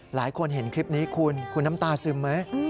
หลายคนเห็นคลิปนี้คุณคุณน้ำตาซึมไหม